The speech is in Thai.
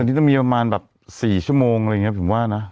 อ๋ออันนี้ต้องมีประมาณแบบสี่ชั่วโมงอะไรอย่างเนี่ยผมว่านะ